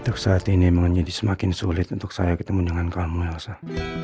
untuk saat ini memang menjadi semakin sulit untuk saya ketemu dengan kamu yalsan